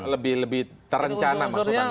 lebih terencana maksud anda